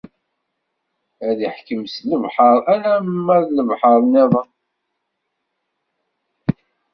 Ad iḥkem si lebḥer alamma d lebḥer-nniḍen.